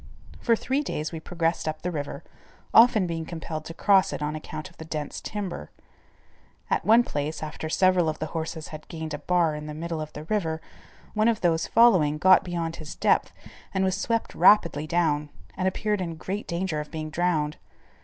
For three days we progressed up the river, often being compelled to cross it on account of the dense timber. At one place, after several of the horses had gained a bar in the middle of the river, one of those following, got beyond his depth and was swept rapidly down, and appeared in great danger of being drowned.